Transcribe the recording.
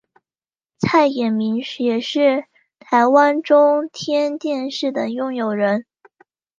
蔡衍明也是台湾中天电视的拥有人。